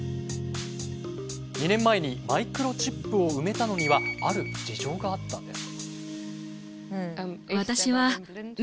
２年前にマイクロチップを埋めたのにはある事情があったんです。